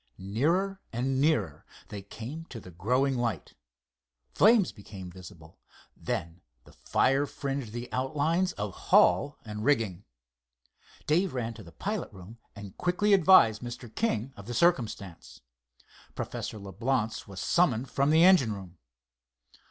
Nearer and nearer they came to the growing light. Flames became visible, then the fire fringed the outlines of hull and rigging. Dave ran to the pilot room and quickly advised Mr. King of the circumstance. Professor Leblance was summoned from the engine room.